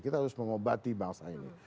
kita harus mengobati bangsa ini